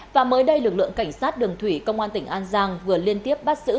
và mới đây lực lượng cảnh sát đường thủy công an tỉnh an giang vừa liên tiếp bắt xử